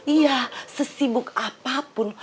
iya sesibuk apapun